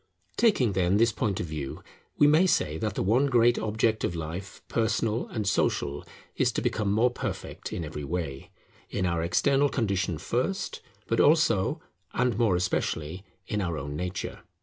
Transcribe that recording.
Taking, then, this point of view, we may say that the one great object of life, personal and social, is to become more perfect in every way; in our external condition first, but also, and more especially, in our own nature.